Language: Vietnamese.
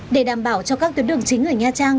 để đảm bảo cho các tuyến đường chính ở nha trang